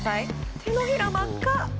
手のひらが真っ赤。